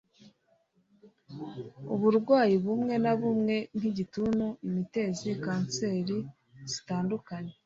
uburwayi bumwe na bumwe nk' igituntu, imitezi, kanseri zitandukanye